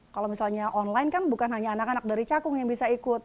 kalau misalnya online kan bukan hanya anak anak dari cakung yang bisa ikut